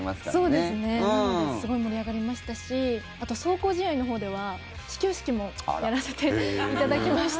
なのですごい盛り上がりましたしあと、壮行試合のほうでは始球式もやらせていただきました。